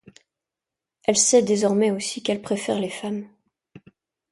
Elle sait désormais, aussi, qu'elle préfère les femmes.